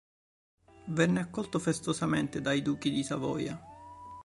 Venne accolto festosamente dai duchi di Savoia.